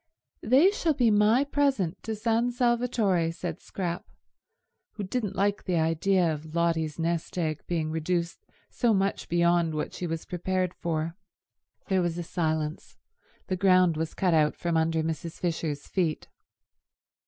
"They shall be my present to San Salvatore," said Scrap, who didn't like the idea of Lotty's nest egg being reduced so much beyond what she was prepared for. There was a silence. The ground was cut from under Mrs. Fisher's feet.